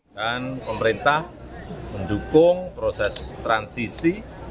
dan pemerintah mendukung proses transisi